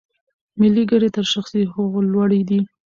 ملي ګټې تر شخصي هغو لوړې دي.